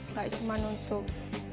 tidak cuma nunsuk